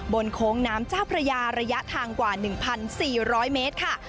โค้งน้ำเจ้าพระยาระยะทางกว่า๑๔๐๐เมตรค่ะ